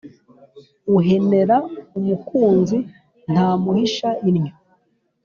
Uhenera umukunzi ntamuhisha innyo.